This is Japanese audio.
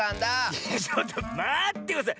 いやちょっとまってください！